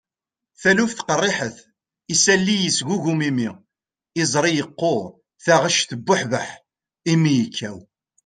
taluft qerriḥet, isalli yesgugum imi, iẓri yeqquṛ, taɣect tebbuḥbeḥ, imi yekkaw